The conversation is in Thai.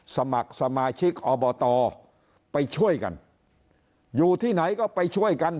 สมัครสมาชิกอบตไปช่วยกันอยู่ที่ไหนก็ไปช่วยกัน